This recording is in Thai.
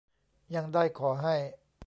ยังได้ขอให้